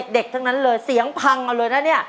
ทั้งนั้นเลยเสียงพังเอาเลยนะเนี่ย